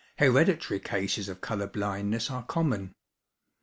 Hereditary cases of colour blindness are common.